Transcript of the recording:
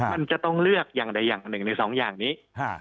มันจะต้องเลือกอย่างใดอย่างหนึ่งในสองอย่างนี้